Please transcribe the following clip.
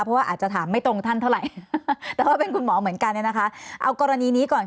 เพราะว่าอาจจะถามไม่ตรงท่านเท่าไหร่